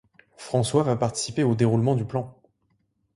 François va participer au déroulement du plan.